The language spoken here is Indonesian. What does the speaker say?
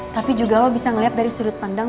tapi juga lo bisa ngeliat dari sudut pandang lo